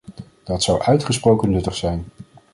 Dat zou uitgesproken nuttig zijn.